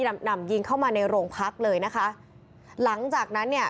หนำยิงเข้ามาในโรงพักเลยนะคะหลังจากนั้นเนี่ย